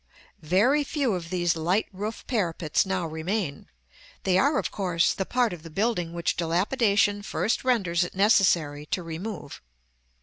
Very few of these light roof parapets now remain; they are, of course, the part of the building which dilapidation first renders it necessary to remove.